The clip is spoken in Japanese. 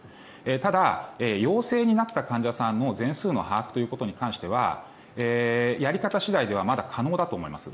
ただ、陽性になった患者さんの全数の把握ということに関してはやり方次第ではまだ可能だと思います。